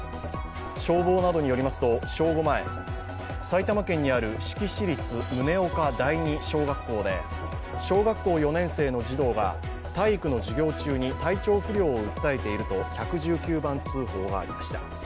消防などによりますと正午前、埼玉県にある志木市立宗岡第二小学校で小学校４年生の児童が体育の授業中に体調不良を訴えていると１１９番通報がありました。